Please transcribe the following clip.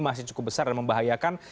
masih cukup besar dan membahayakan